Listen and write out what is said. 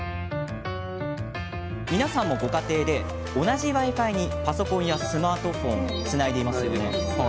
皆さんもご家庭で同じＷｉ−Ｆｉにパソコンやスマートフォンをつないでいますよね。